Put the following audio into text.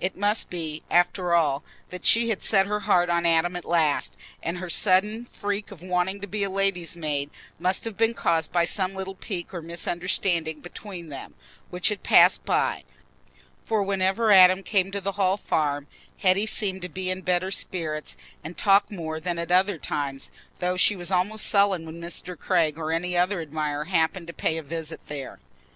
It must be, after all, that she had set her heart on Adam at last, and her sudden freak of wanting to be a lady's maid must have been caused by some little pique or misunderstanding between them, which had passed by. For whenever Adam came to the Hall Farm, Hetty seemed to be in better spirits and to talk more than at other times, though she was almost sullen when Mr. Craig or any other admirer happened to pay a visit there.